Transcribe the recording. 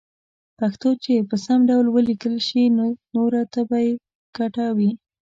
پښتو چې په سم ډول وليکلې شي نو نوره ته به يې ګټه وي